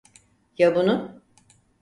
Ya bunu?